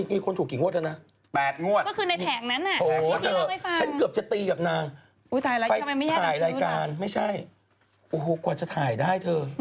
ที่อูดรแผงเค้าบอกเพราะเขาถูกประจำถูกไหม